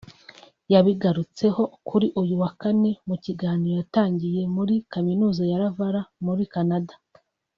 yabigarutseho kuri uyu wa Kane mu kiganiro yatangiye muri Kaminuza ya Laval muri Canada